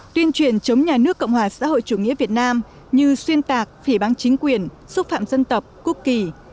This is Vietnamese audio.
tuyên truyền chống nhà nước cộng hòa xã hội chủ nghĩa việt nam như xuyên tạc phỉ bán chính quyền xúc phạm dân tộc quốc kỳ